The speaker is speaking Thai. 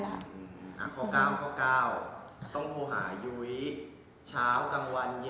เช้ากลางวันเย็น